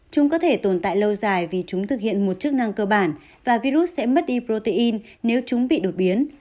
chúng có thể tồn tại lâu dài vì chúng thực hiện một chức năng cơ bản và virus sẽ mất đi protein nếu chúng bị đột biến